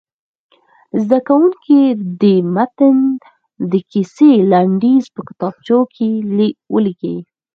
زده کوونکي دې د متن د کیسې لنډیز په کتابچو کې ولیکي.